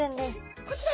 こちら？